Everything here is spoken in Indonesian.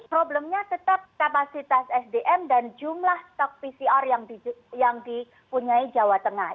problemnya tetap kapasitas sdm dan jumlah stok pcr yang dipunyai jawa tengah